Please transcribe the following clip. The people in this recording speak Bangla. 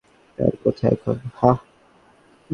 তারা কোথায় এখন, হাহ?